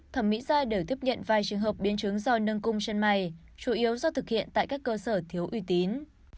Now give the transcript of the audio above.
thẩm mỹ gia đều tiếp nhận vài trường hợp biến chứng do nâng cung chân mày chủ yếu do thực hiện tại các cơ sở thiếu uy tín